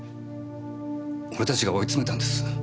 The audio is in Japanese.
俺たちが追い詰めたんです。